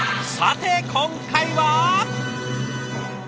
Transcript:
さて今回は？